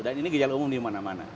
dan ini gejala umum di mana mana